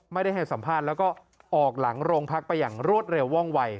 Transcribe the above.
ให้สัมภาษณ์แล้วก็ออกหลังโรงพักไปอย่างรวดเร็วว่องวัย